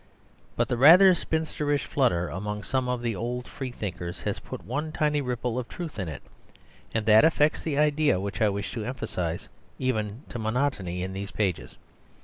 But the rather spinsterish flutter among some of the old Freethinkers has put one tiny ripple of truth in it; and that affects the idea which I wish to emphasise even to monotony in these pages.